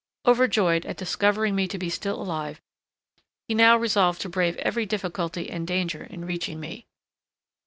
Overjoyed at discovering me to be still alive, he now resolved to brave every difficulty and danger in reaching me.